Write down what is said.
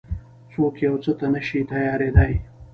څوک يو څه ته نه شي تيارېدای.